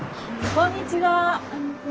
こんにちは。